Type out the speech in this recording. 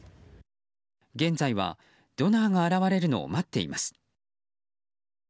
現在はドナーが現れるのを待っています。